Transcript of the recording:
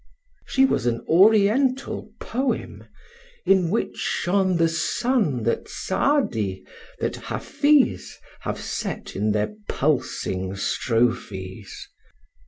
She was an Oriental poem, in which shone the sun that Saadi, that Hafiz, have set in their pulsing strophes.